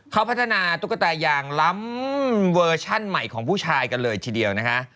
เขาพัฒนาตุ๊กตายางล้ำเวอร์ชั่นใหม่ของผู้ชายกันเลยทีเดียวนะคะ